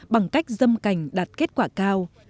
bằng cách dâm cảnh đạt kết quả cao